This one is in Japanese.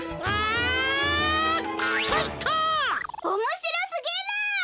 おもしろすぎる！